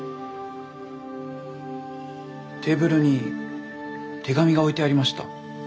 テーブルに手紙が置いてありました。